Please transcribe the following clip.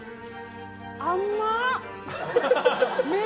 甘っ！